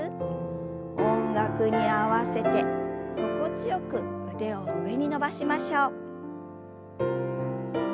音楽に合わせて心地よく腕を上に伸ばしましょう。